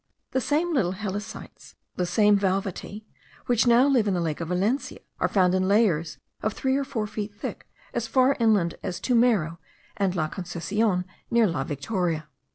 The same little helicites, the same valvatae, which now live in the lake of Valencia, are found in layers of three or four feet thick as far inland as Turmero and La Concesion near La Victoria.